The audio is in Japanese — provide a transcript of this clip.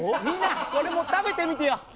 みんなこれも食べてみてよ。